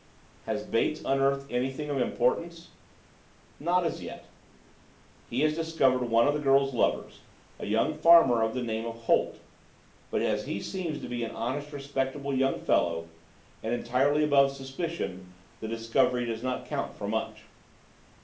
"Has Bates unearthed anything of importance?" "Not as yet. He has discovered one of the girl's lovers, a young farmer of the name of Holt; but as he seems to be an honest, respectable young fellow, and entirely above suspicion, the discovery does not count for much."